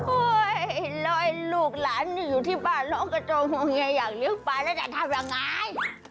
โอ้ยแล้วลูกหลานนี่อยู่ที่บ้านน้องกระจงอยากเลี้ยงปลาแล้วจะทำยังไง